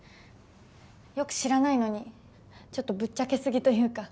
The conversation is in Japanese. よく知らないのにちょっとぶっちゃけ過ぎというか。